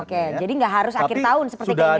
oke jadi nggak harus akhir tahun seperti kayak gini